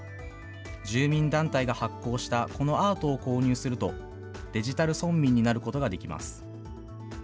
住民団体が発行したこのアートを購入すると、デジタル村民になることができます。